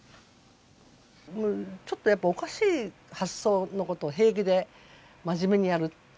ちょっとやっぱおかしい発想のことを平気でまじめにやる人なんですけど。